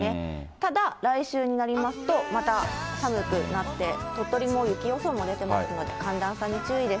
ただ来週になりますと、また寒くなって、鳥取も雪予想出てますので、寒暖差に注意です。